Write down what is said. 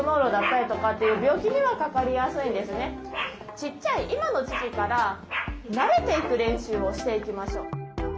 ちっちゃい今の時期から慣れていく練習をしていきましょう。